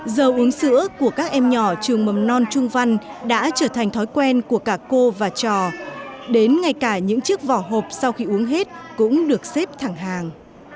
dầu uống sữa của các em nhỏ trường mầm non trung văn đã trở thành thói quen của cả cô và trò đến ngay cả những chiếc vỏ hộp sau khi uống hết cũng được xếp thẳng hàng